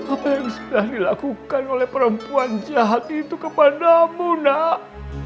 apa yang sudah dilakukan oleh perempuan jahat itu kepadamu nak